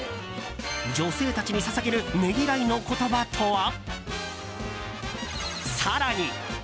女性たちに捧げるねぎらいの言葉とは？